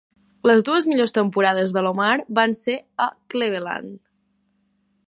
Les dues millors temporades d'Alomar van ser a Cleveland.